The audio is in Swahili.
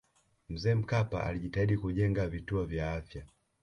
mzee mkapa alijitahidi kujenga vituo vya afya